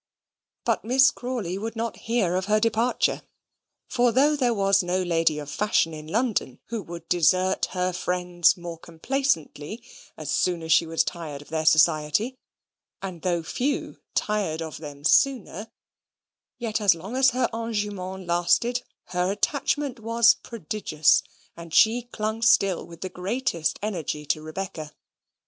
But Miss Crawley would not hear of her departure; for though there was no lady of fashion in London who would desert her friends more complacently as soon as she was tired of their society, and though few tired of them sooner, yet as long as her engoument lasted her attachment was prodigious, and she clung still with the greatest energy to Rebecca.